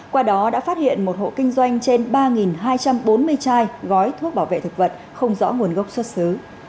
qua đó đã phát hiện một hộ kinh doanh trên ba hai trăm bốn mươi chai gói thuốc bảo vệ thực vật không rõ nguồn gốc xuất xứ